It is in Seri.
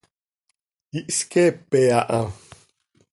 Ihsqueepe aha.